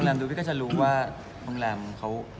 เหงียวครยกไปเยอะไหมคะ